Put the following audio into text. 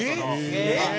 えっ！